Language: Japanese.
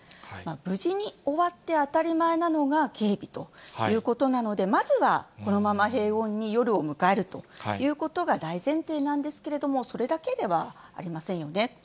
無事に終わって当たり前なのが警備ということなので、まずはこのまま平穏に夜を迎えるということが大前提なんですけれども、それだけではありませんよね。